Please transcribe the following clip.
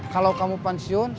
kalau kamu pensiun